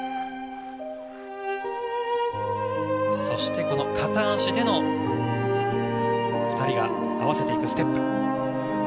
そして、この片足での２人が合わせていくステップ。